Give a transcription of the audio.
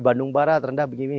bandung barat rendah begini